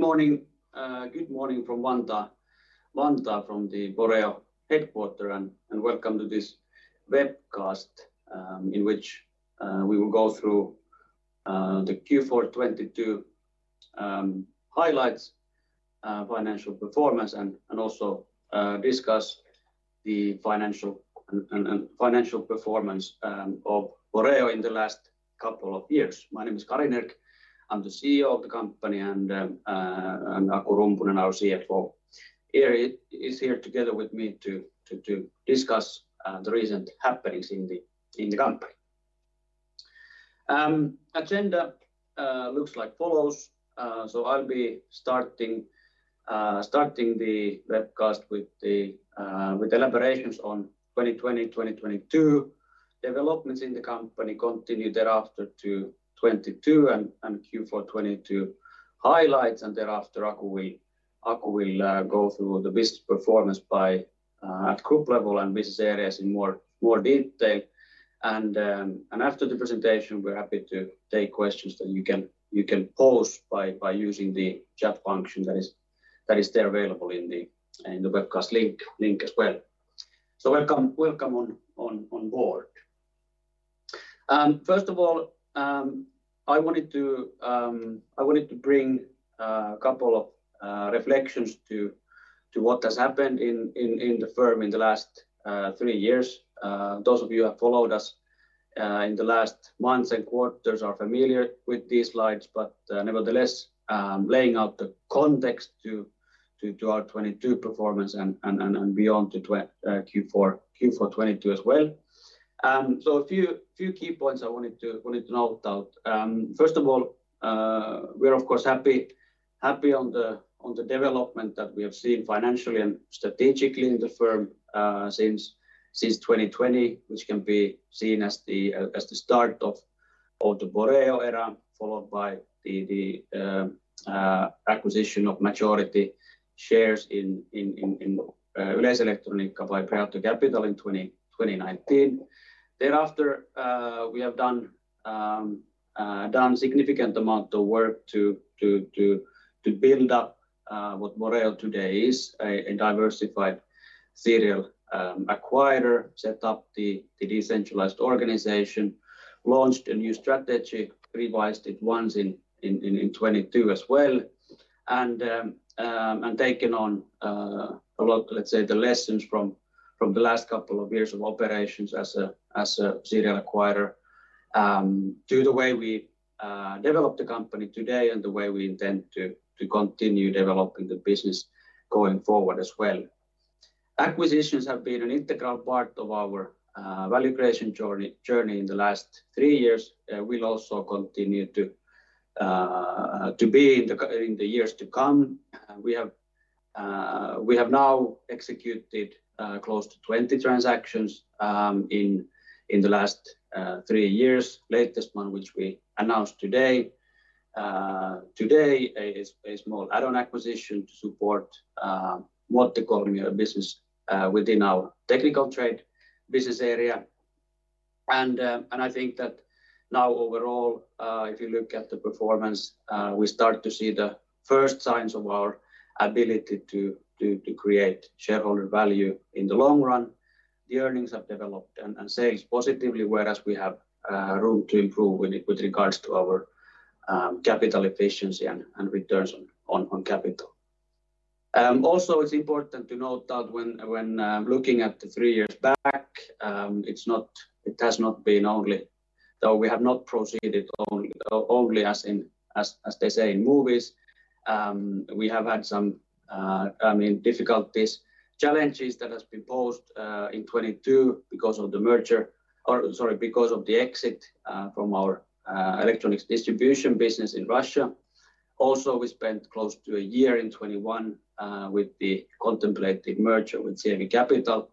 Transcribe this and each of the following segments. Good morning. Good morning from Vantaa, from the Boreo headquarter, and welcome to this webcast in which we will go through the Q4 2022 highlights, financial performance, and also discuss the financial and financial performance of Boreo in the last couple of years. My name is Kari Nerg. I'm the CEO of the company, and Aku Rumpunen, our CFO, is here together with me to discuss the recent happenings in the company. Agenda looks like follows. I'll be starting the webcast with elaborations on 2022 developments in the company, continue thereafter to 2022 and Q4 2022 highlights. Thereafter Aku will go through the business performance at group level and business areas in more detail. After the presentation, we're happy to take questions that you can pose by using the chat function that is there available in the webcast link as well. Welcome on board. First of all, I wanted to bring a couple of reflections to what has happened in the firm in the last 3 years. Those of you who have followed us in the last months and quarters are familiar with these slides, nevertheless, laying out the context to our 2022 performance and beyond to Q4 2022 as well. A few key points I wanted to note out. First of all, we're of course happy on the development that we have seen financially and strategically in the firm since 2020, which can be seen as the start of the Boreo era, followed by the acquisition of majority shares in Yleiselektroniikka by Preato Capital in 2019. Thereafter, we have done significant amount of work to build up what Boreo today is, a diversified serial acquirer, set up the decentralized organization, launched a new strategy, revised it once in 2022 as well, and taken on a lot, let's say the lessons from the last couple of years of operations as a serial acquirer, to the way we developed the company today and the way we intend to continue developing the business going forward as well. Acquisitions have been an integral part of our value creation journey in the last three years, will also continue to be in the years to come. We have now executed close to 20 transactions in the last three years. Latest one, which we announced today, is more add-on acquisition to support water cooling business within our Technical Trade Business Area. I think that now overall, if you look at the performance, we start to see the first signs of our ability to create shareholder value in the long run. The earnings have developed and sales positively, whereas we have room to improve with regards to our capital efficiency and returns on capital. It's important to note that when looking at the three years back, it has not been only... Though we have not proceeded only as in, as they say in movies, we have had some, I mean, difficulties, challenges that has been posed in 2022 because of the merger or, sorry, because of the exit from our electronics distribution business in Russia. We spent close to a year in 2021 with the contemplated merger with Sievi Capital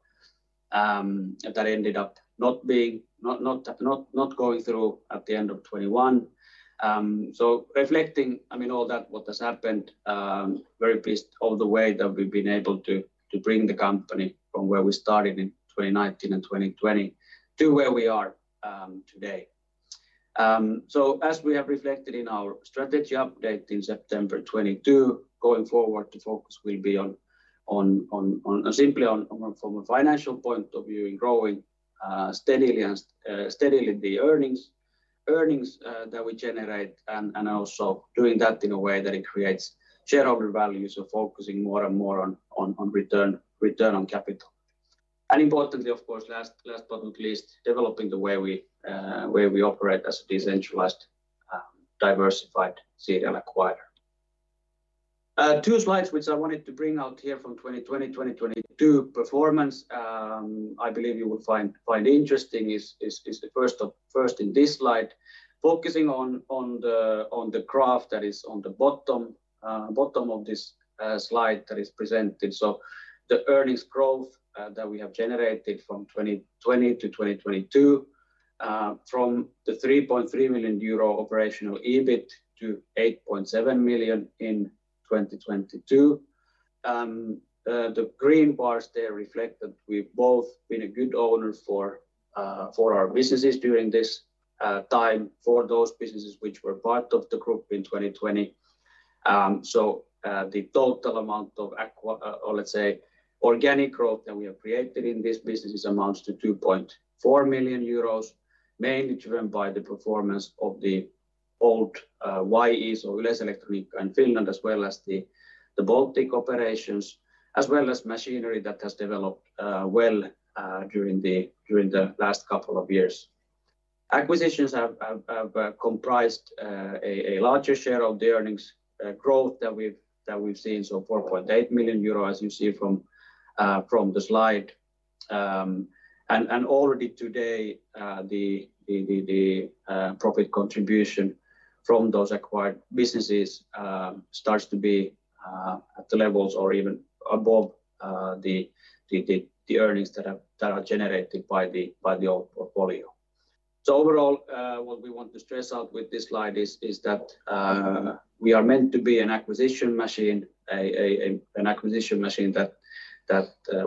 that ended up not being, not going through at the end of 2021. Reflecting, I mean, all that, what has happened, very pleased of the way that we've been able to bring the company from where we started in 2019 and 2020 to where we are today. As we have reflected in our strategy update in September 2022, going forward, the focus will be simply on, from a financial point of view, in growing steadily and steadily the earnings that we generate and also doing that in a way that it creates shareholder value, so focusing more and more on return on capital. Importantly, of course, last but not least, developing the way we operate as a decentralized, diversified serial acquirer. Two slides which I wanted to bring out here from 2022 performance, I believe you will find interesting is the first in this slide, focusing on the graph that is on the bottom of this slide that is presented. The earnings growth that we have generated from 2020 to 2022, from the 3.3 million euro operational EBIT to 8.7 million in 2022. The green bars there reflect that we've both been a good owner for our businesses during this time for those businesses which were part of the group in 2020. The total amount of organic growth that we have created in this business amounts to 2.4 million euros, mainly driven by the performance of the old YEs or Yleiselektroniikka in Finland, as well as the Baltic operations, as well as Machinery that has developed well during the last couple of years. Acquisitions have comprised a larger share of the earnings growth that we've seen, so 4.8 million euro, as you see from the slide. And already today, the profit contribution from those acquired businesses starts to be at the levels or even above the earnings that are generated by the old portfolio. Overall, what we want to stress out with this slide is that we are meant to be an acquisition machine, an acquisition machine that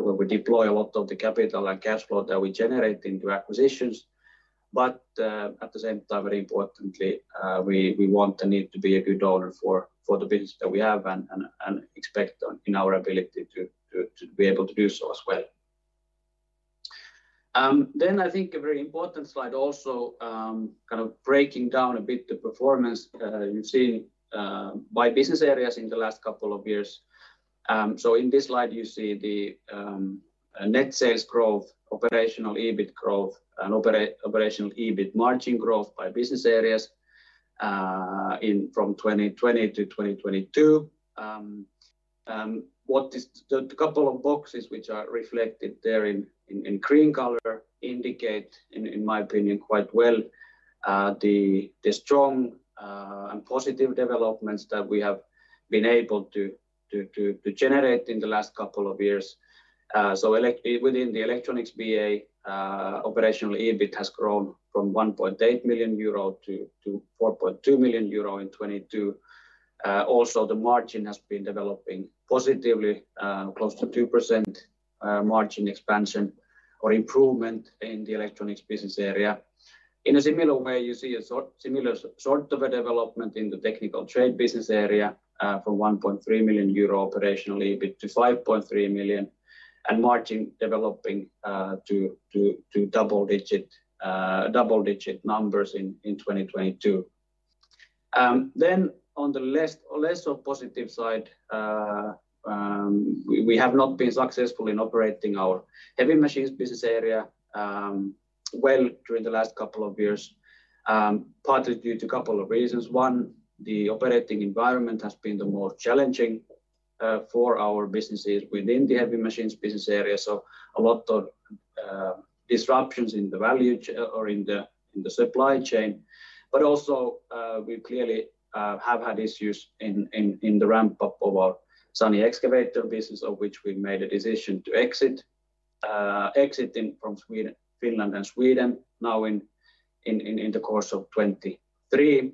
where we deploy a lot of the capital and cash flow that we generate into acquisitions. At the same time, very importantly, we want and need to be a good owner for the business that we have and expect on, in our ability to be able to do so as well. I think a very important slide also, kind of breaking down a bit the performance you've seen by business areas in the last couple of years. In this slide, you see the net sales growth, operational EBIT growth, and operational EBIT margin growth by business areas in from 2020 to 2022. What is... The couple of boxes which are reflected there in green color indicate, in my opinion, quite well, the strong and positive developments that we have been able to generate in the last couple of years. Within the Electronics BA, operational EBIT has grown from 1.8 million euro to 4.2 million euro in 2022. The margin has been developing positively, close to 2% margin expansion or improvement in the electronics business area. In a similar way, you see a similar sort of a development in the technical trade business area, from 1.3 million euro operationally to 5.3 million EUR, and margin developing to double digit numbers in 2022. Then on the less of positive side, we have not been successful in operating our heavy machines Business Area, well during the last couple of years, partly due to a couple of reasons. One, the operating environment has been the most challenging, for our businesses within the heavy machines Business Area, so a lot of disruptions or in the supply chain. Also, we clearly have had issues in the ramp-up of our SANY excavator business of which we made a decision to exit, exiting from Finland and Sweden now in the course of 2023.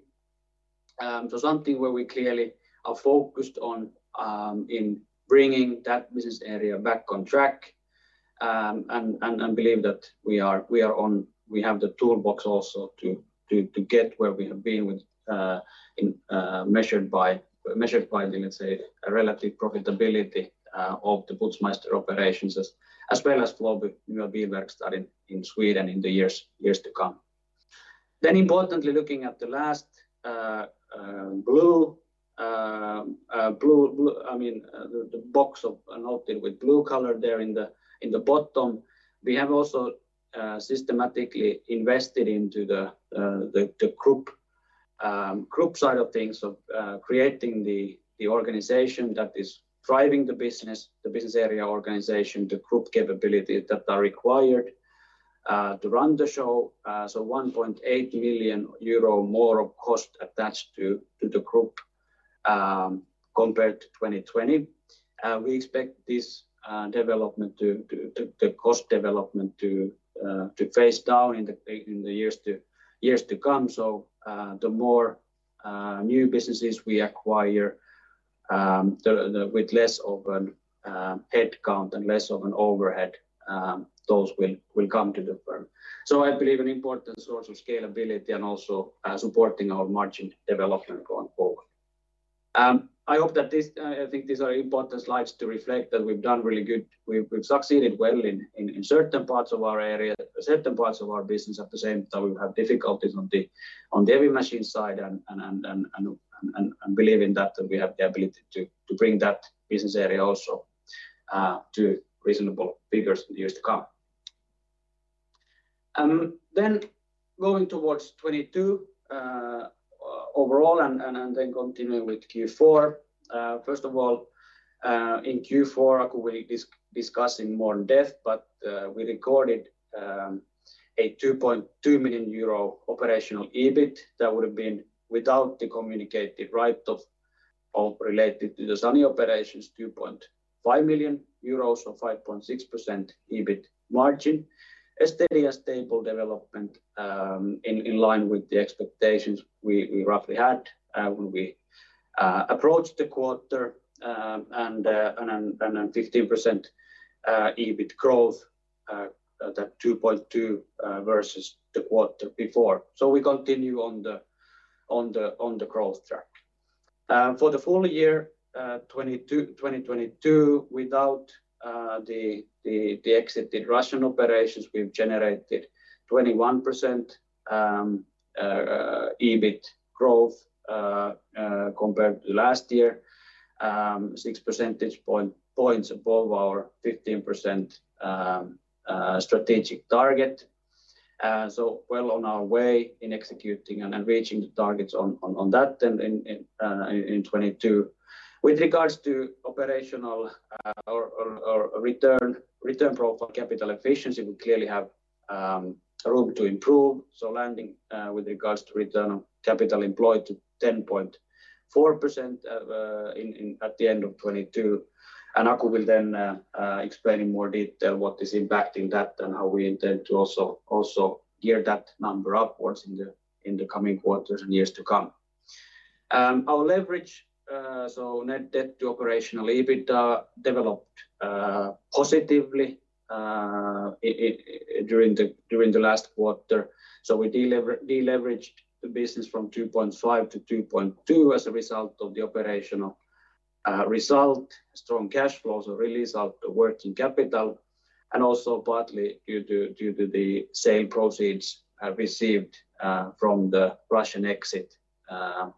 Something where we clearly are focused on, in bringing that Business Area back on track, and believe that we are on... We have the toolbox also to get where we have been with in measured by, let's say, a relative profitability of the Putzmeister operations as well as Global, you know, B works that in Sweden in the years to come. Importantly, looking at the last blue I mean, the box of noted with blue color there in the bottom. We have also systematically invested into the group side of things of creating the organization that is driving the business, the business area organization, the group capability that are required to run the show. 1.8 million euro more of cost attached to the group compared to 2020. We expect this development to... The cost development to phase down in the years to come. The more new businesses we acquire, the With less of a headcount and less of an overhead, those will come to the firm. I believe an important source of scalability and also supporting our margin development going forward. I hope that I think these are important slides to reflect that we've done really good. We've succeeded well in certain parts of our area, certain parts of our business. At the same time, we've had difficulties on the heavy machine side and believe in that, and we have the ability to bring that business area also to reasonable figures in the years to come. Going towards 2022 overall and continuing with Q4. First of all, in Q4, Aku will be discussing more in depth, we recorded a 2.2 million euro operational EBIT. That would have been without the communicated write-off related to the SANY operations, 2.5 million euros or 5.6% EBIT margin. A steady and stable development in line with the expectations we roughly had when we approached the quarter, and 15% EBIT growth at 2.2 million versus the quarter before. We continue on the growth track. For the full year, 2022. 2022, without the exited Russian operations, we've generated 21% EBIT growth compared to last year, 6 percentage points above our 15% strategic target. Well on our way in executing and reaching the targets on that then in 2022. With regards to operational or return profile capital efficiency, we clearly have a room to improve. Landing with regards to return on capital employed to 10.4% at the end of 2022. Aku will then explain in more detail what is impacting that and how we intend to also gear that number upwards in the coming quarters and years to come. Our leverage, so net debt to operational EBITDA developed positively during the last quarter. We deleveraged the business from 2.5 to 2.2 as a result of the operational result. Strong cash flows or release of the working capital, also partly due to the sale proceeds received from the Russian exit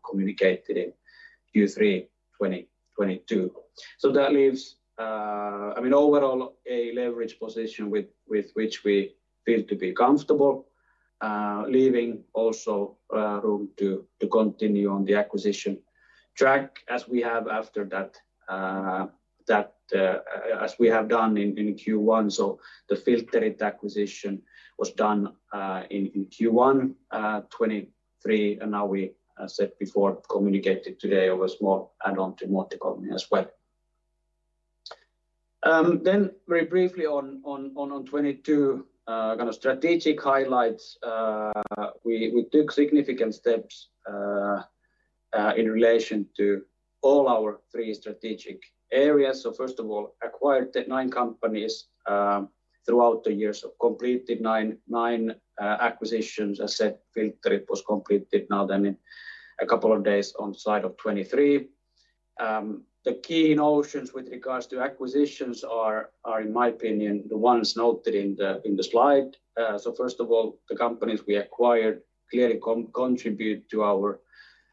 communicated in Q3 2022. That leaves, I mean, overall a leverage position with which we feel to be comfortable, leaving also room to continue on the acquisition track as we have after that, as we have done in Q1. The Filterit acquisition was done in Q1 2023, and now we said before communicated today was more add-on to Muottikolmio as well. Then very briefly on 2022, kind of strategic highlights. We took significant steps in relation to all our three strategic areas. First of all, acquired 9 companies throughout the years. Completed 9 acquisitions. As said, Filterit was completed now then in a couple of days on side of 2023. The key notions with regards to acquisitions are in my opinion, the ones noted in the slide. First of all, the companies we acquired clearly contribute to our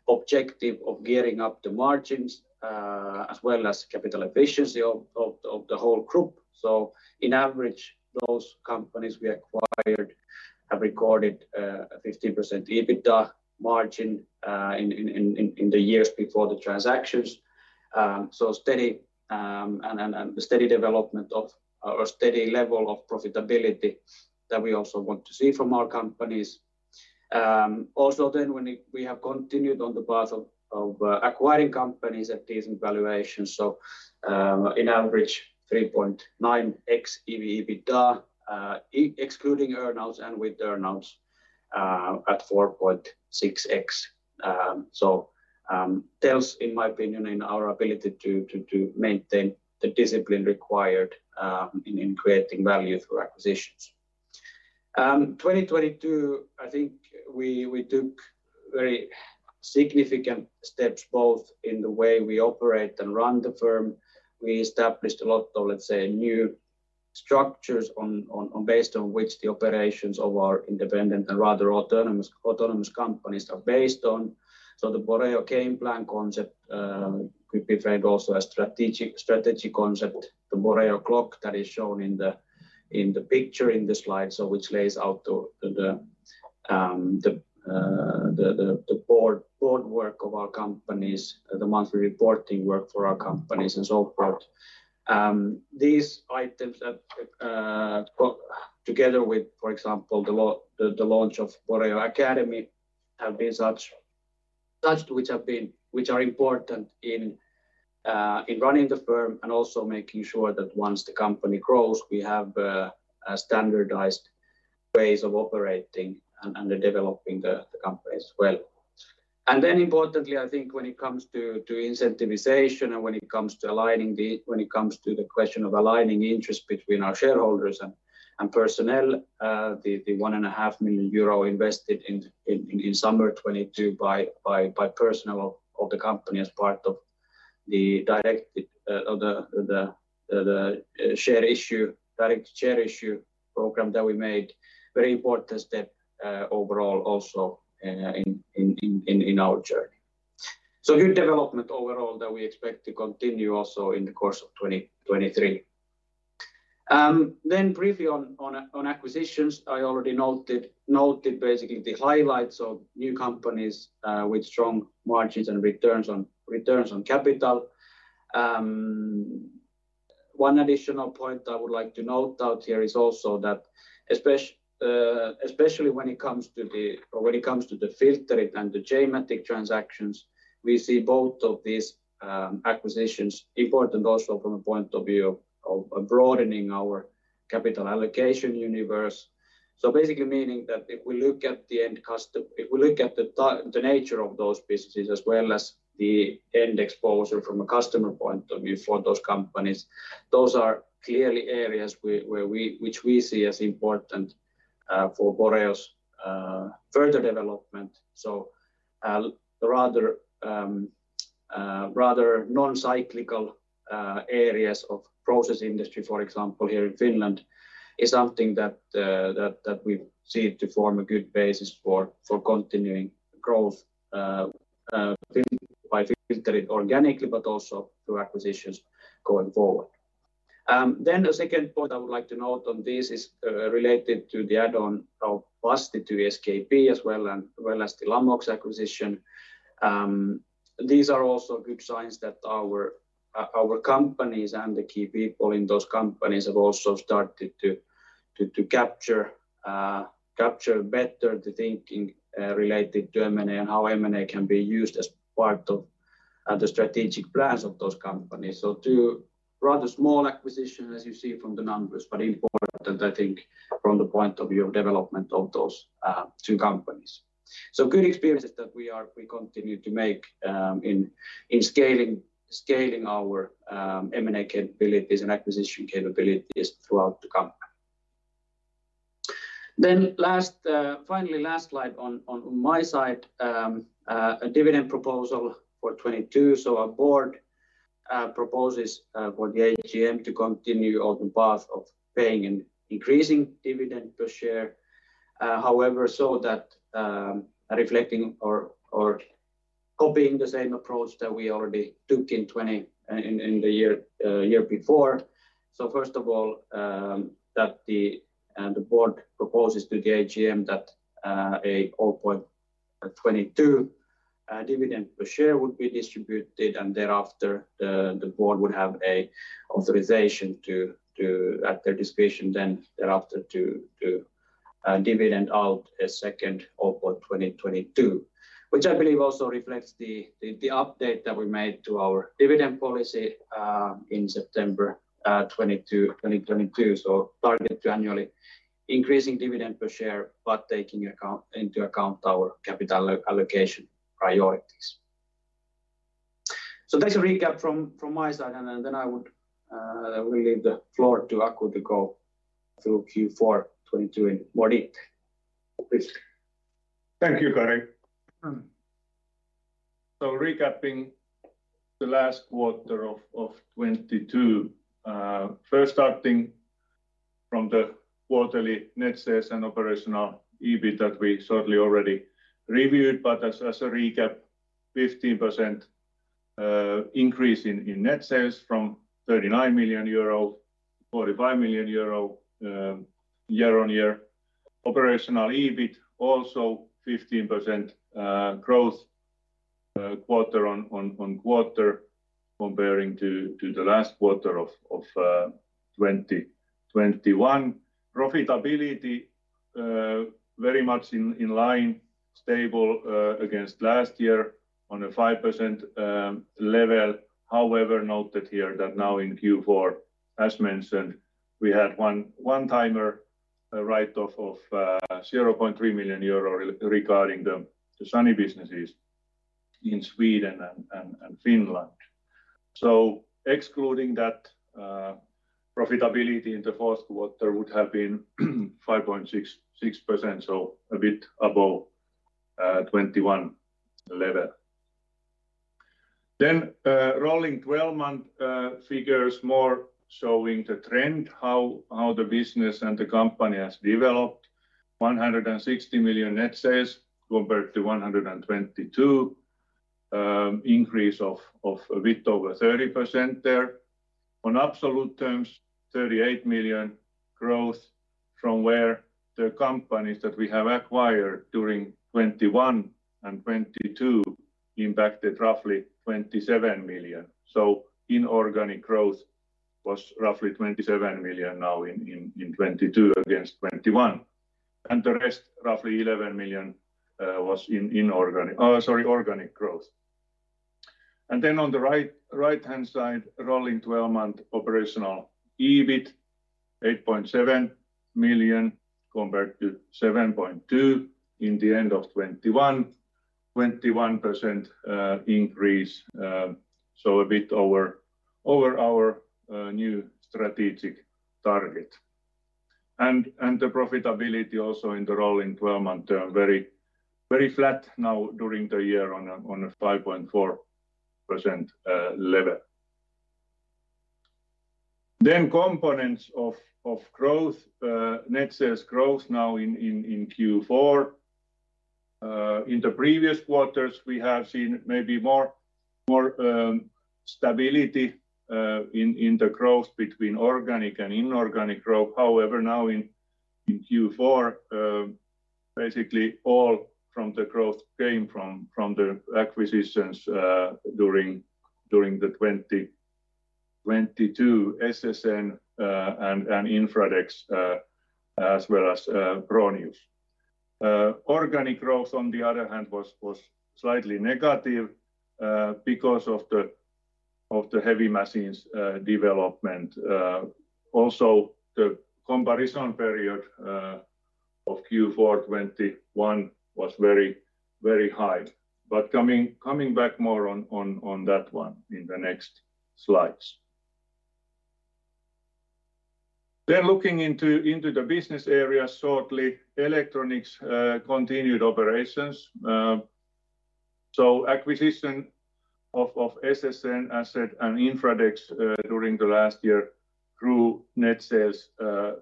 objective of gearing up the margins, as well as capital efficiency of the whole group. In average, those companies we acquired have recorded a 15% EBITDA margin in the years before the transactions. Steady, and steady development of or steady level of profitability that we also want to see from our companies. When we have continued on the path of acquiring companies at decent valuations. In average 3.9x EV/EBITDA, excluding earn-outs and with earn-outs, at 4.6x. Tells, in my opinion, in our ability to maintain the discipline required, in creating value through acquisitions. 2022, I think we took very significant steps both in the way we operate and run the firm. We established a lot of, let's say, new structures on based on which the operations of our independent and rather autonomous companies are based on. The Boreo Game Plan concept could be framed also as strategy concept. The Boreo Clock that is shown in the picture in the slide, which lays out the board work of our companies, the monthly reporting work for our companies and so forth. These items that, together with, for example, the launch of Boreo Academy, have been such which have been, which are important in running the firm and also making sure that once the company grows, we have a standardized ways of operating and developing the company as well. Importantly, I think when it comes to incentivization and when it comes to aligning the... When it comes to the question of aligning interest between our shareholders and personnel, the 1.5 million euro invested in summer 2022 by personnel of the company as part of the directed share issue, direct share issue program that we made, very important step overall also in our journey. Good development overall that we expect to continue also in the course of 2023. Briefly on acquisitions, I already noted basically the highlights of new companies with strong margins and returns on capital. One additional point I would like to note out here is also that especially when it comes to the Filterit and the Geomatikk transactions, we see both of these acquisitions important also from a point of view of broadening our capital allocation universe. Basically meaning that if we look at the nature of those businesses as well as the end exposure from a customer point of view for those companies, those are clearly areas which we see as important for Boreo's further development. Rather non-cyclical areas of process industry, for example, here in Finland, is something that we see to form a good basis for continuing growth by Filterit organically, but also through acquisitions going forward. Then the second point I would like to note on this is related to the add-on of Basti to ESKP as well as the Lamox acquisition. These are also good signs that our companies and the key people in those companies have also started to capture better the thinking related to M&A and how M&A can be used as part of the strategic plans of those companies. 2 rather small acquisitions, as you see from the numbers, but important, I think, from the point of view of development of those, 2 companies. Good experiences that we continue to make in scaling our M&A capabilities and acquisition capabilities throughout the company. Last, finally last slide on my side, a dividend proposal for 2022. Our board proposes for the AGM to continue on the path of paying an increasing dividend per share. However, so that, reflecting or copying the same approach that we already took in the year before. First of all, that the board proposes to the AGM that a 0.22 dividend per share would be distributed, and thereafter, the board would have authorization to, at their discretion then thereafter to dividend out a second OPCO 2022. Which I believe also reflects the update that we made to our dividend policy in September 2022. Target to annually increasing dividend per share, but taking into account our capital allocation priorities. That's a recap from my side, and then I would will leave the floor to Aku to go through Q4 2022 in more detail. Please. Thank you, Kari. Recapping the last quarter of 2022, first starting from the quarterly net sales and operational EBIT that we certainly already reviewed. As a recap, 15% increase in net sales from 39 million euro, 45 million euro year-on-year. Operational EBIT also 15% growth quarter-on-quarter comparing to the last quarter of 2021. Profitability very much in line, stable against last year on a 5% level. However, note that here that now in Q4, as mentioned, we had one-timer write-off of 0.3 million euro regarding the SANY businesses in Sweden and Finland. Excluding that, profitability in the first quarter would have been 5.66%, so a bit above 2021 level. Rolling twelve-month figures more showing the trend, how the business and the company has developed. 160 million net sales compared to 122 million, increase of a bit over 30% there. On absolute terms, 38 million growth from where the companies that we have acquired during 2021 and 2022 impacted roughly 27 million. Inorganic growth was roughly 27 million now in 2022 against 2021. The rest, roughly 11 million, was inorganic-- oh, sorry, organic growth. On the right-hand side, rolling twelve-month operational EBIT, 8.7 million compared to 7.2 million in the end of 2021. 21% increase, so a bit over our new strategic target. The profitability also in the rolling twelve-month term, very flat now during the year on a 5.4% level. Components of growth, net sales growth now in Q4. In the previous quarters, we have seen maybe more stability in the growth between organic and inorganic growth. However, now in Q4, basically all from the growth came from the acquisitions during 2022 SSN and Infradex, as well as Pronius. Organic growth, on the other hand, was slightly negative because of the heavy machines development. Also the comparison period of Q4 2021 was very high. Coming back more on that one in the next slides. Looking into the business area shortly. Electronics continued operations. Acquisition of SSN Asset and Infradex during the last year grew net sales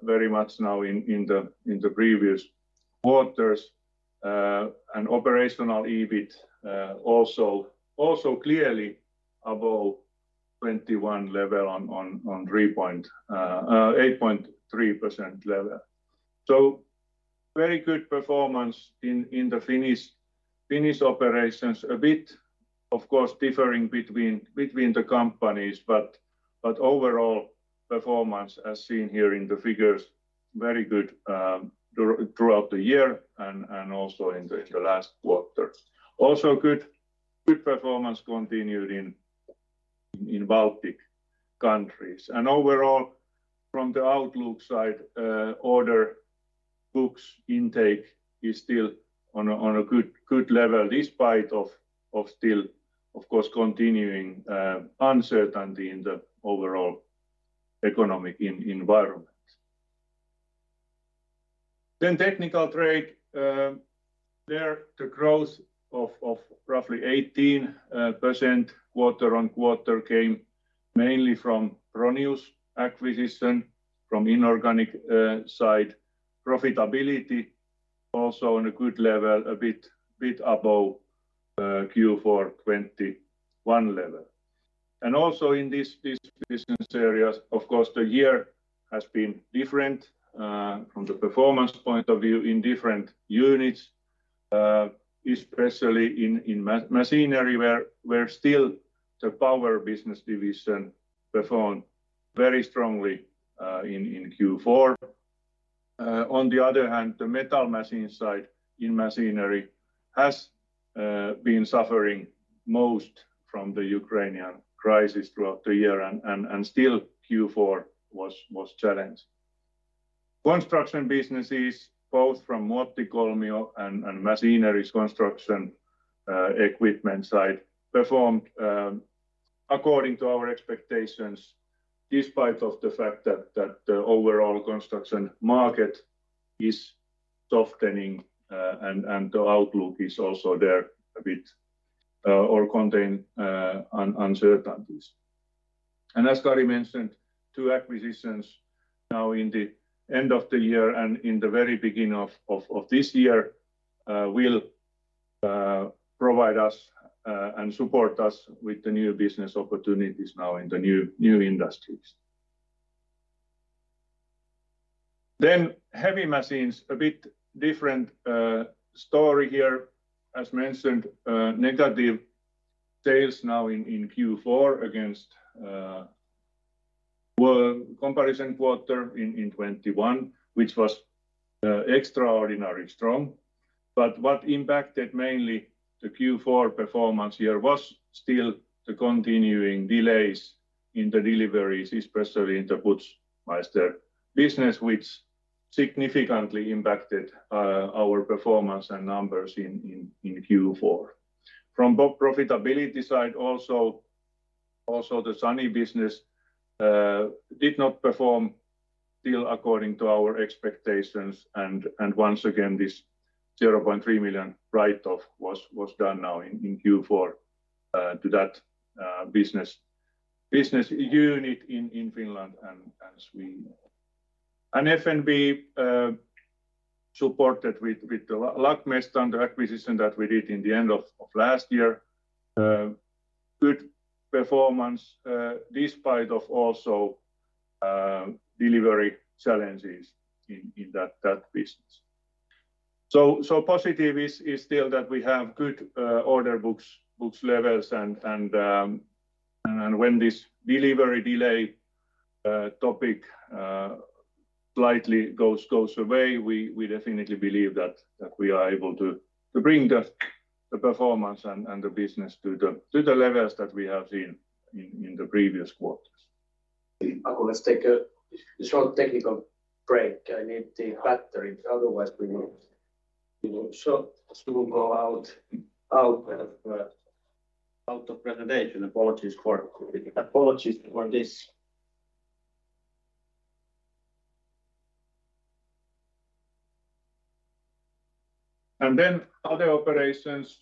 very much now in the previous quarters. Operational EBIT also clearly above 2021 level on 8.3% level. Very good performance in the Finnish operations. A bit, of course, differing between the companies, but overall performance as seen here in the figures, very good throughout the year and also in the last quarter. Also good performance continued in Baltic countries. Overall, from the outlook side, order books intake is still on a good level despite of still, of course, continuing uncertainty in the overall economic environment. Technical Trade, there the growth of roughly 18% quarter-on-quarter came mainly from Pronius acquisition from inorganic side. Profitability also on a good level, a bit above Q4 2021 level. Also in these business areas, of course, the year has been different from the performance point of view in different units, especially in Machinery where still the power business division performed very strongly in Q4. On the other hand, the metal machine side in Machinery has been suffering most from the Ukrainian crisis throughout the year and still Q4 was challenged. Construction businesses, both from Muottikolmio and Machinery's construction equipment side performed according to our expectations, despite of the fact that the overall construction market is softening, and the outlook is also there a bit or contain uncertainties. As Kari mentioned, 2 acquisitions now in the end of the year and in the very beginning of this year will provide us and support us with the new business opportunities now in the new industries. Heavy Machines, a bit different story here. As mentioned, negative sales now in Q4 against well, comparison quarter in 2021, which was extraordinary strong. What impacted mainly the Q4 performance here was still the continuing delays in the deliveries, especially in the Putzmeister business, which significantly impacted our performance and numbers in Q4. From both profitability side also, the SANY business did not perform still according to our expectations and once again this 0.3 million write-off was done now in Q4 to that business unit in Finland and Sweden. FNB supported with the Lackmästarn and the acquisition that we did in the end of last year. Good performance despite of also delivery challenges in that business. Positive is still that we have good order books levels and when this delivery delay topic slightly goes away, we definitely believe that we are able to bring the performance and the business to the levels that we have seen in the previous quarters. Aku, let's take a short technical break. I need the battery, otherwise we will, you know, Soon go out of presentation. Apologies for this. Other operations,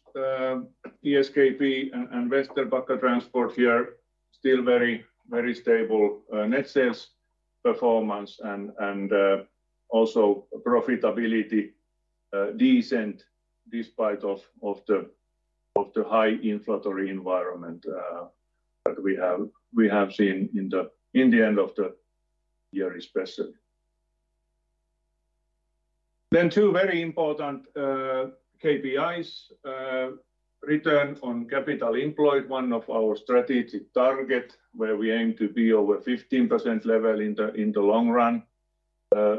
ESKP and Vesterbacka Transport here, still very stable net sales performance and also profitability decent despite of the high inflationary environment that we have seen in the end of the year especially. Two very important KPIs. Return on capital employed, one of our strategic target where we aim to be over 15% level in the long run,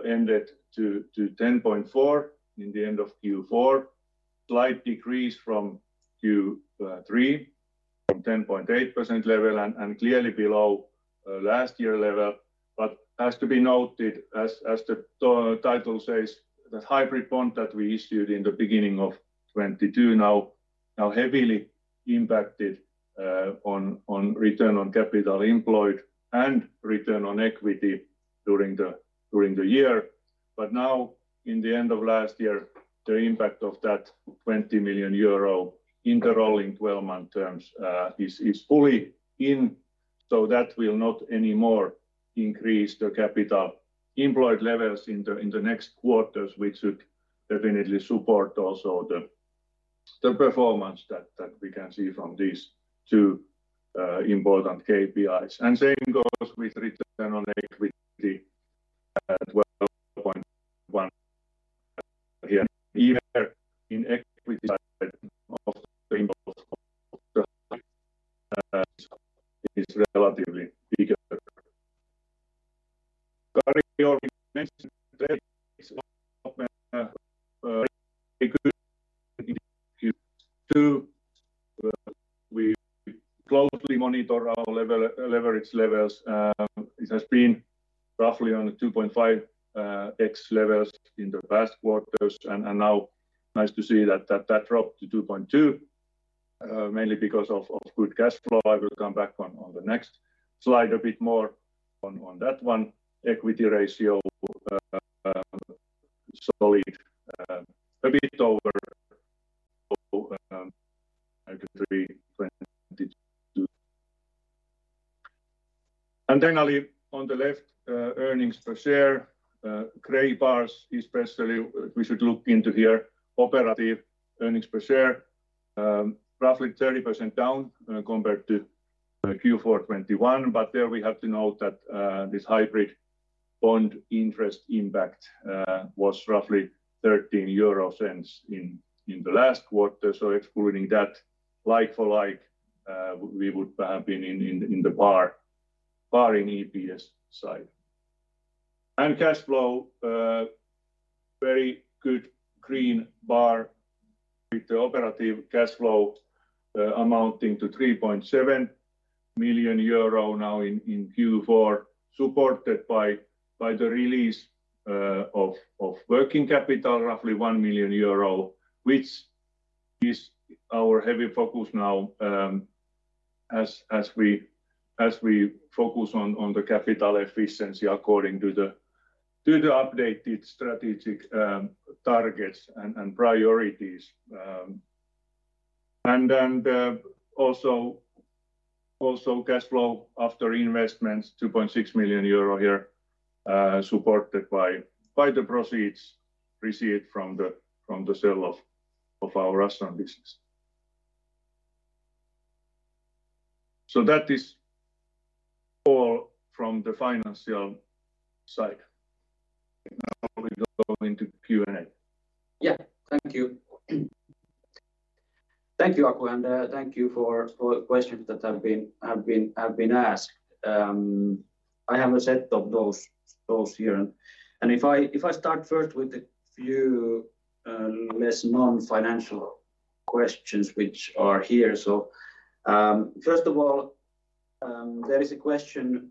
ended to 10.4 in the end of Q4. Slight decrease from Q3 from 10.8% level and clearly below last year level. Has to be noted as the title says, that hybrid bond that we issued in the beginning of 2022 Now heavily impacted on return on capital employed and return on equity during the year. Now in the end of last year, the impact of that 20 million euro in the rolling twelve-month terms is fully in, so that will not anymore increase the capital employed levels in the next quarters, which should definitely support also the performance that we can see from these two important KPIs. Same goes with return on equity at 12.1%. Again, even in equity side of the impulse is relatively bigger. Kari, your mention today is one of a good too. We closely monitor our leverage levels. It has been roughly on 2.5x levels in the past quarters. Now nice to see that dropped to 2.2, mainly because of good cash flow. I will come back on the next slide a bit more on that one. Equity ratio solid, a bit over, I could be 22. Ali on the left, earnings per share, gray bars especially we should look into here operative earnings per share, roughly 30% down compared to Q4 2021. There we have to note that this hybrid bond interest impact was roughly 0.13 in the last quarter. Excluding that like for like, we would have been in the bar in EPS side. Cash flow, very good green bar with the operative cash flow amounting to 3.7 million euro now in Q4, supported by the release of working capital roughly 1 million euro, which is our heavy focus now as we focus on the capital efficiency according to the updated strategic targets and priorities. Also cash flow after investments 2.6 million euro here supported by the proceeds received from the sale of our restaurant business. That is all from the financial side. Now we go into Q&A. Yeah. Thank you. Thank you, Aku, and thank you for questions that have been asked. I have a set of those here. If I start first with a few less non-financial questions which are here. First of all, there is a question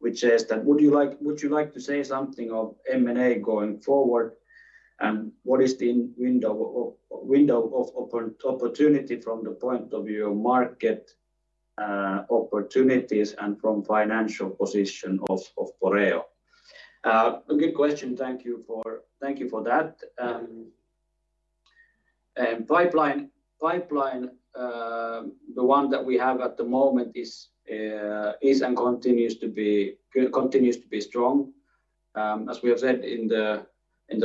which says that would you like to say something of M&A going forward? What is the window of opportunity from the point of view of market opportunities and from financial position of Boreo? A good question. Thank you for that. Pipeline. Pipeline the one that we have at the moment is and continues to be strong. As we have said in the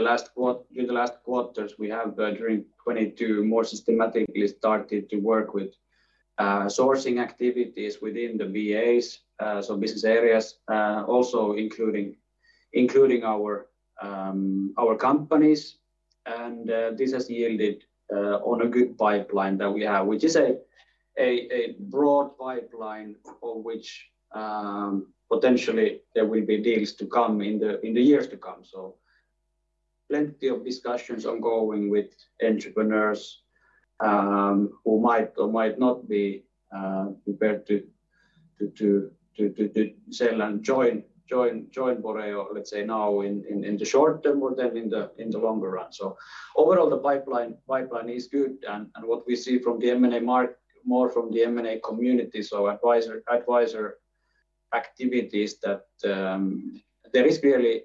last quarters, we have during 2022 more systematically started to work with sourcing activities within the BAs, so business areas, also including our companies. This has yielded on a good pipeline that we have, which is a broad pipeline for which potentially there will be deals to come in the years to come. Plenty of discussions ongoing with entrepreneurs who might or might not be prepared to sell and join Boreo, let's say now in the short term or then in the longer run. Overall, the pipeline is good. What we see from the M&A mark... more from the M&A community, so advisor activities that there is clearly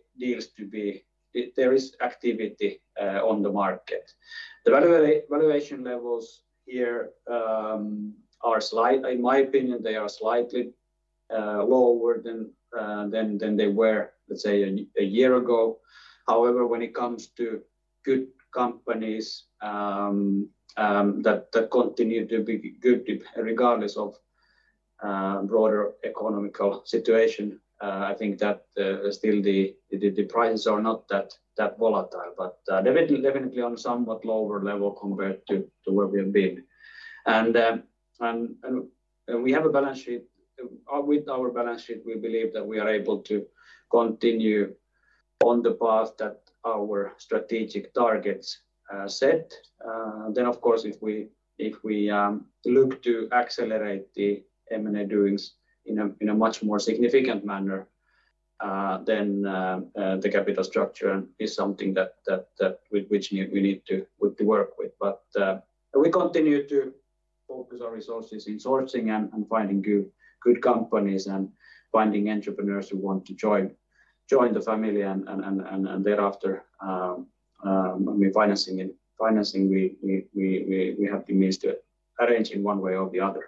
activity on the market. The valuation levels here, in my opinion, they are slightly lower than they were, let's say a year ago. However, when it comes to good companies that continue to be good regardless of broader economical situation, I think that still the prices are not that volatile. Definitely on somewhat lower level compared to where we have been. We have a balance sheet. With our balance sheet, we believe that we are able to continue on the path that our strategic targets set. Of course, if we, if we look to accelerate the M&A doings in a, in a much more significant manner. The capital structure is something that we need to work with. We continue to focus our resources in sourcing and finding good companies and finding entrepreneurs who want to join the family and thereafter, financing and financing, we have the means to arrange in one way or the other.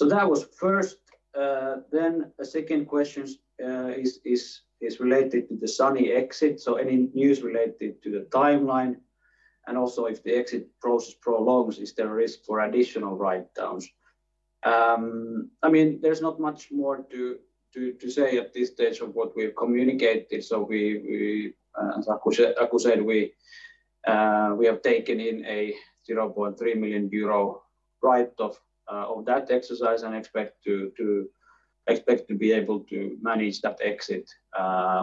That was first. A second question is related to the SANY exit. Any news related to the timeline, and also if the exit process prolongs, is there a risk for additional write-downs? I mean, there's not much more to say at this stage of what we have communicated. We, as Aku said, we have taken in a 0.3 million euro write-off of that exercise and expect to be able to manage that exit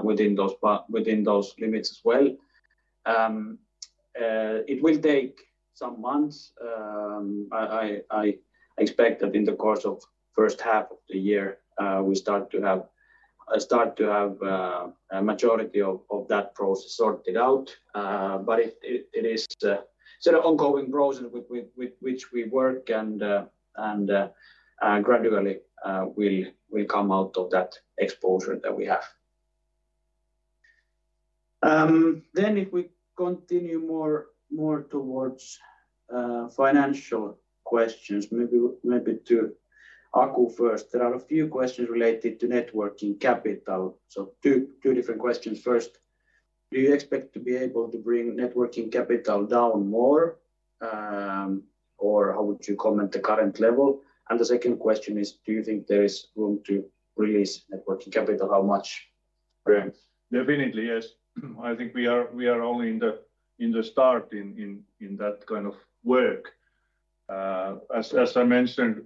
within those limits as well. It will take some months. I expect that in the course of first half of the year, we start to have a majority of that process sorted out. It is a sort of ongoing process with which we work and gradually we'll come out of that exposure that we have. If we continue more towards financial questions, maybe to Aku first. There are a few questions related to net working capital. Two different questions. First, do you expect to be able to bring net working capital down more, or how would you comment the current level? The second question is, do you think there is room to release net working capital? How much? Definitely, yes. I think we are only in the start in that kind of work. As I mentioned,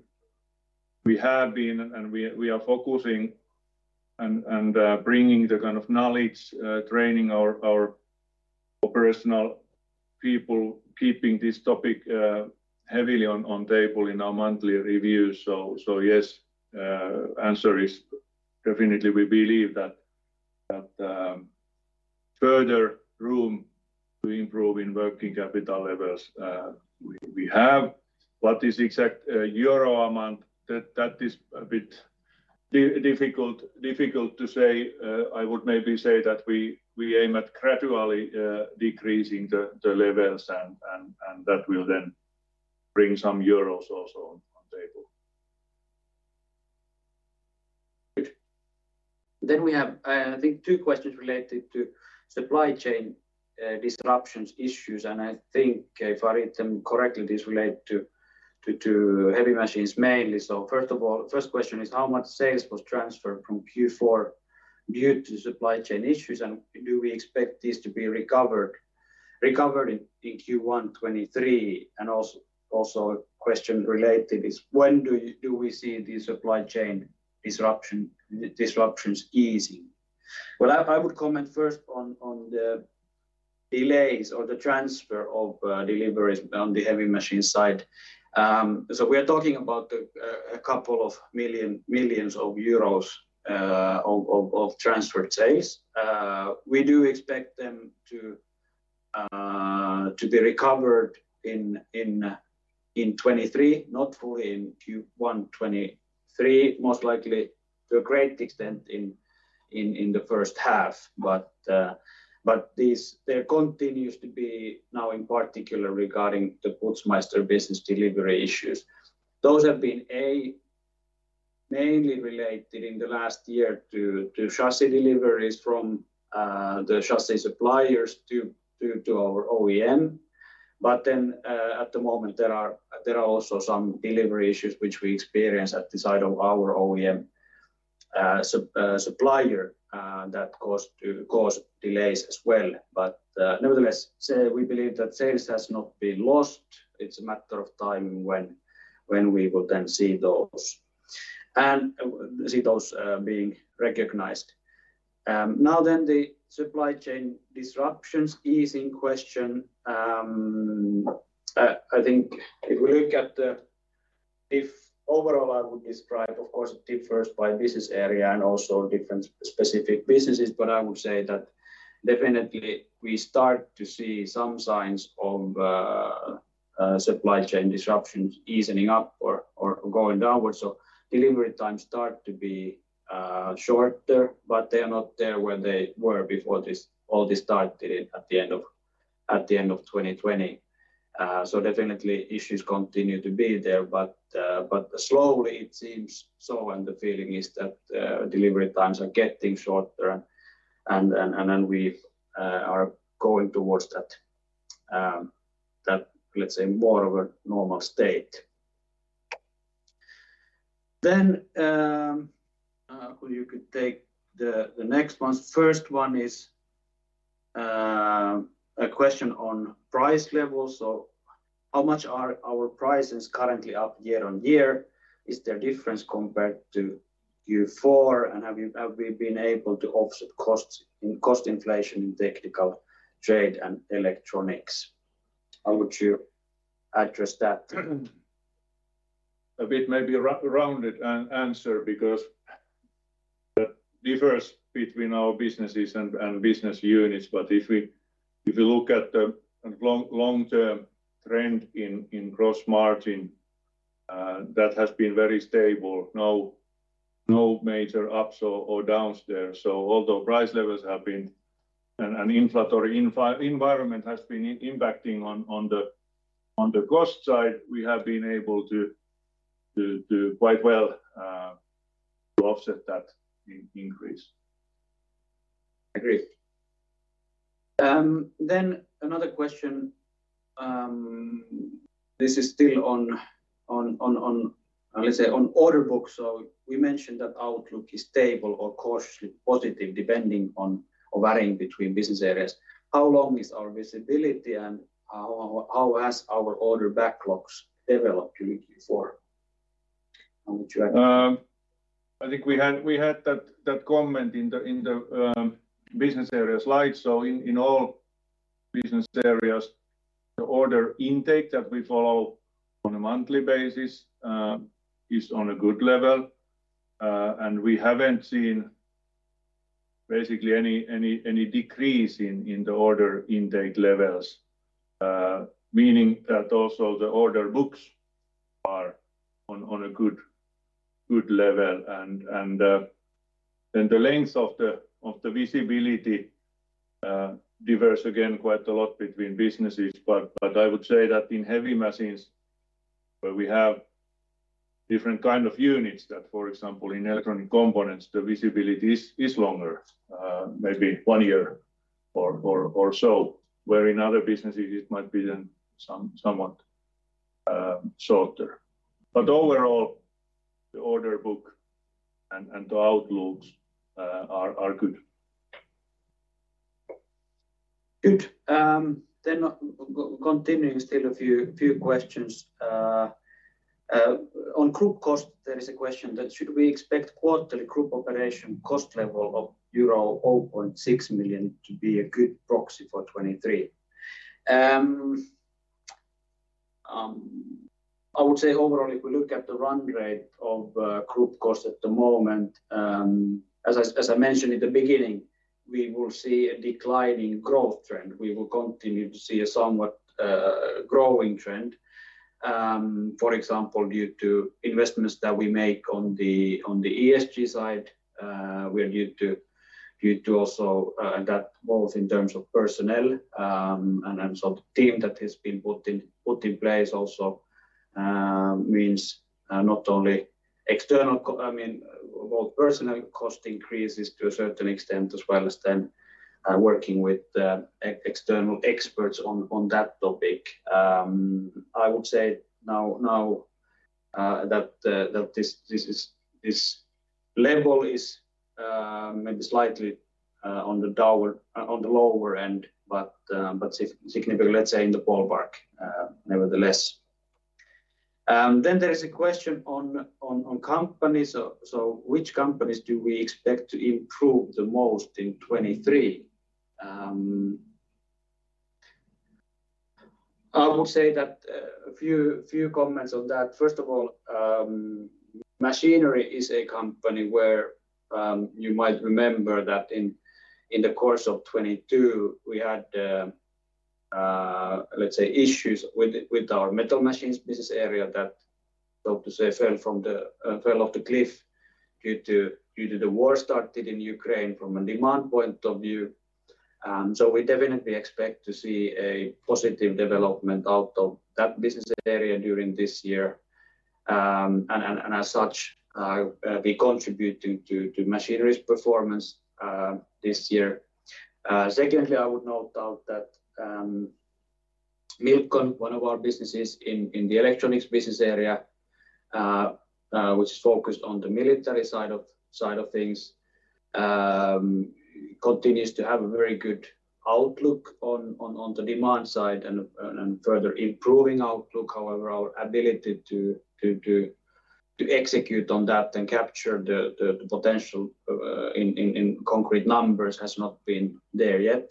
we have been and we are focusing and bringing the kind of knowledge, training our operational people, keeping this topic heavily on table in our monthly reviews. Yes, answer is definitely we believe that further room to improve in working capital levels we have. What is the exact EUR amount that is a bit difficult to say. I would maybe say that we aim at gradually decreasing the levels and that will then bring some EUR also on table. We have, I think two questions related to supply chain disruptions issues, and I think if I read them correctly, this relate to heavy machines mainly. First of all, first question is how much sales was transferred from Q4 due to supply chain issues, and do we expect this to be recovered in Q1 2023? Also a question related is when do we see the supply chain disruptions easing? Well, I would comment first on the delays or the transfer of deliveries on the heavy machine side. So we are talking about a couple of millions of Euros of transferred sales. We do expect them to be recovered in 2023, not fully in Q1 2023, most likely to a great extent in the first half. This there continues to be now in particular regarding the Putzmeister business delivery issues. Those have been, A, mainly related in the last year to chassis deliveries from the chassis suppliers to our OEM. At the moment, there are also some delivery issues which we experience at the side of our OEM supplier that cause delays as well. Nevertheless, we believe that sales has not been lost. It's a matter of time when we will then see those and see those being recognized. Now the supply chain disruptions easing question, I think if we look at the... If overall I would describe, of course it differs by business area and also different specific businesses, but I would say that definitely we start to see some signs of supply chain disruptions easing up or going downwards. So delivery times start to be shorter, but they are not there where they were before this, all this started at the end of, at the end of 2020. So definitely issues continue to be there, but slowly it seems so and the feeling is that delivery times are getting shorter and then we are going towards that let's say more of a normal state. Aku you could take the next ones. First one is, a question on price levels. How much are our prices currently up year-on-year? Is there difference compared to Q4? Have we been able to offset costs in cost inflation in technical trade and electronics? How would you address that? A bit maybe a rounded answer because that differs between our businesses and business units. If we look at the long-term trend in gross margin, that has been very stable. No major ups or downs there. Although an inflationary environment has been impacting on the cost side, we have been able to quite well to offset that increase. Agreed. Another question? This is still on, let's say on order books. We mentioned that outlook is stable or cautiously positive depending on or varying between business areas. How long is our visibility and how has our order backlogs developed during Q4? which. I think we had that comment in the business area slide. In all business areas, the order intake that we follow on a monthly basis is on a good level. We haven't seen basically any decrease in the order intake levels, meaning that also the order books are on a good level. Then the length of the visibility differs again quite a lot between businesses. I would say that in heavy machines where we have different kind of units that, for example, in electronic components, the visibility is longer, maybe 1 year or so, where in other businesses it might be then somewhat shorter. Overall, the order book and the outlooks are good. Good. Continuing still a few questions. On group cost, there is a question that should we expect quarterly group operation cost level of euro 0.6 million to be a good proxy for 2023? I would say overall, if we look at the run rate of group cost at the moment, as I mentioned at the beginning, we will see a declining growth trend. We will continue to see a somewhat growing trend, for example, due to investments that we make on the ESG side, where due to also that both in terms of personnel, the team that has been put in place also means I mean, both personnel cost increases to a certain extent, as well as working with external experts on that topic. I would say now that this level is maybe slightly on the lower end, but significant, let's say in the ballpark, nevertheless. There is a question on companies. Which companies do we expect to improve the most in 2023? I would say that a few comments on that. First of all, Machinery is a company where you might remember that in the course of 2022, we had, let's say issues with our metal machines business area that, so to say, fell from the fell off the cliff due to the war started in Ukraine from a demand point of view. We definitely expect to see a positive development out of that business area during this year. As such, we contribute to Machinery's performance this year. Secondly, I would note out that Milcon, one of our businesses in the Electronics Business Area, which is focused on the military side of things, continues to have a very good outlook on the demand side and further improving outlook. However, our ability to execute on that and capture the potential in concrete numbers has not been there yet.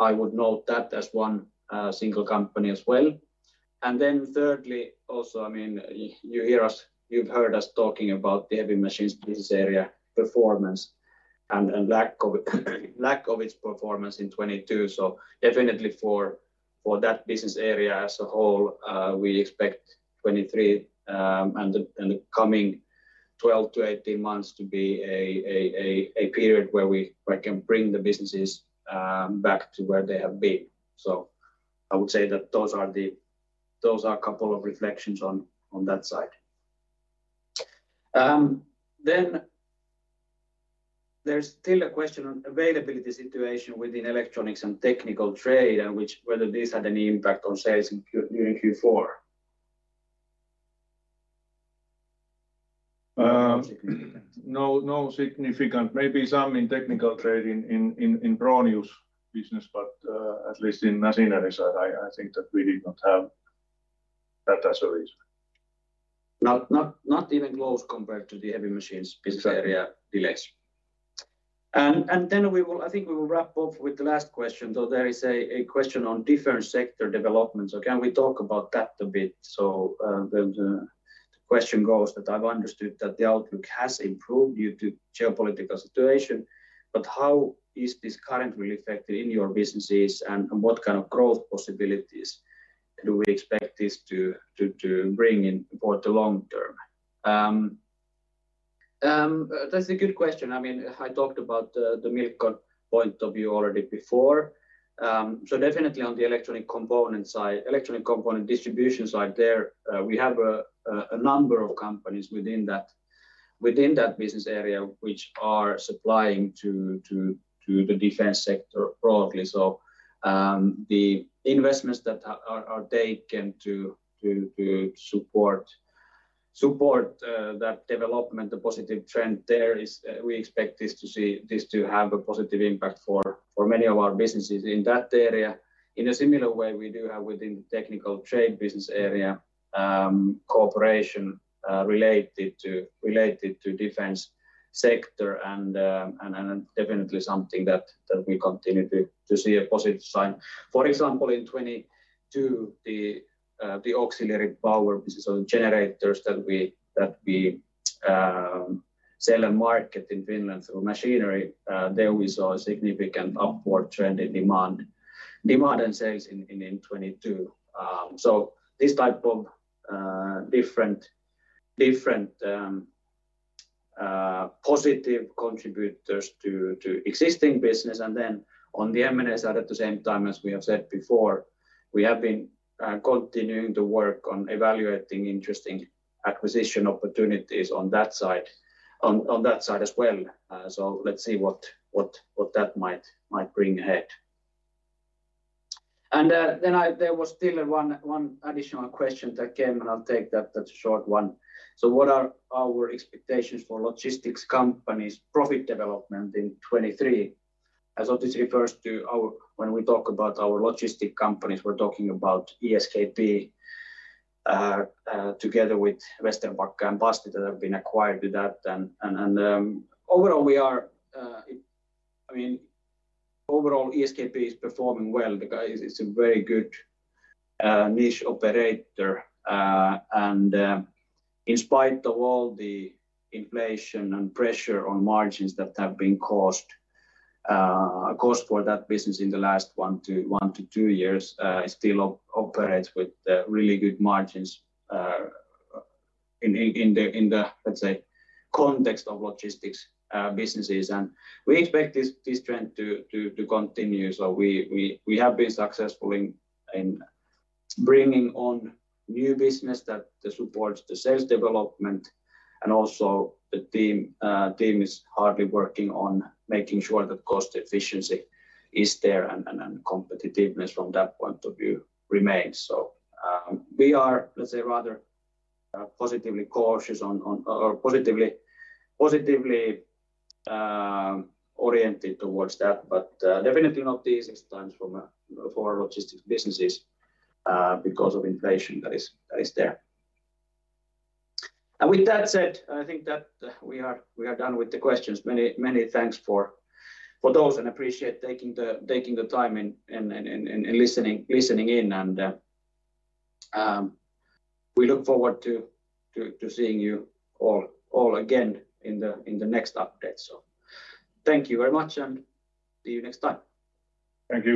I would note that as one single company as well. Thirdly, also, I mean, You've heard us talking about the Heavy Machines Business Area performance and lack of its performance in 2022. Definitely for that business area as a whole, we expect 2023, and the coming 12-18 months to be a period where we can bring the businesses, back to where they have been. I would say that those are a couple of reflections on that side. There's still a question on availability situation within electronics and technical trade, and whether this had any impact on sales during Q4. No, no significant. Maybe some in technical trade in Pronius business. At least in Machinery side, I think that we did not have that as a reason. Not even close compared to the heavy machines business area delays. Then I think we will wrap up with the last question, though there is a question on different sector developments. Can we talk about that a bit? The question goes that, "I've understood that the outlook has improved due to geopolitical situation, but how is this currently affecting your businesses and what kind of growth possibilities do we expect this to bring in for the long term?" That's a good question. I mean, I talked about the Milcon point of view already before. Definitely on the electronic component distribution side there, we have a number of companies within that business area which are supplying to the defense sector broadly. The investments that are taken to support that development, the positive trend there is, we expect this to have a positive impact for many of our businesses in that area. In a similar way, we do have within the technical trade Business Area, cooperation related to defense sector and definitely something that we continue to see a positive sign. For example, in 2022, the auxiliary power business or the generators that we sell and market in Finland through Machinery, there we saw a significant upward trend in demand and sales in 2022. This type of different positive contributors to existing business. Then on the M&A side, at the same time as we have said before, we have been continuing to work on evaluating interesting acquisition opportunities on that side as well. Let's see what that might bring ahead. Then there was still one additional question that came, and I'll take that. That's a short one. What are our expectations for logistics companies' profit development in 2023? As Otis refers to, when we talk about our logistic companies, we're talking about ESKP together with Vesterbacka and Basti that have been acquired with that. Overall we are, I mean, overall ESKP is performing well. The guy is a very good niche operator. In spite of all the inflation and pressure on margins that have been caused for that business in the last 1-2 years, it still operates with really good margins in the context of logistics businesses. We expect this trend to continue. We have been successful in bringing on new business that supports the sales development and also the team is hardly working on making sure that cost efficiency is there and competitiveness from that point of view remains. We are, let's say, rather positively cautious on or positively oriented towards that, but definitely not the easiest times for our logistics businesses because of inflation that is there. With that said, I think that we are done with the questions. Many thanks for those and appreciate taking the time and listening in and, we look forward to seeing you all again in the next update. Thank you very much and see you next time. Thank you